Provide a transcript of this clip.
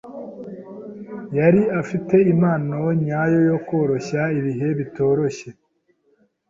Yari afite impano nyayo yo koroshya ibihe bitoroshye.